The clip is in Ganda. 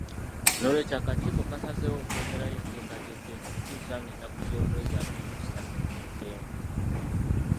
N'olwekyo akakiiko kasazeewo okwongerayo enteekateeka eno okutuusa nga ennaku z'omwezi abiri mu satu Ntenvu